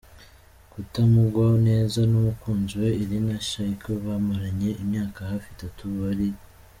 kutamugwa neza numukunzi we Irina Shayk bamaranye imyaka hafi itatu bari.